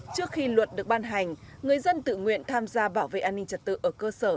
trước khi luật được ban hành người dân tự nguyện tham gia bảo vệ an ninh trật tự ở cơ sở